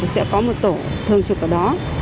sẽ có một tổ thường trực ở đó